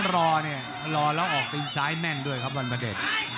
รอเนี่ยรอแล้วออกตีนซ้ายแม่นด้วยครับวันพระเด็จ